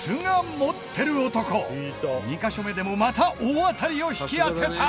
２カ所目でもまた大当たりを引き当てた！